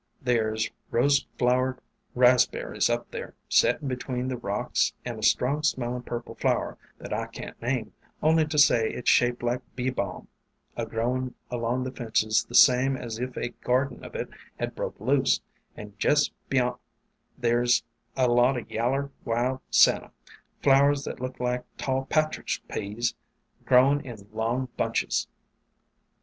There 's Rose flowered Raspberries up there, settin' between the rocks, and a strong smellin' purple flower, that I can't name, only to say it 's shaped like Bee Balm, a growin' along the fences the same as if a gar den of it had broke loose; and jest beyant there 's a lot of yaller Wild Senna, flowers that look like tall Pa'tridge Peas growin' in long bunches."